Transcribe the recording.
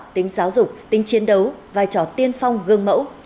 tính giáo dục tính chiến đấu vai trò tiên phong gương mẫu